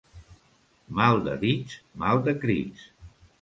Mal de dits, mal de crits.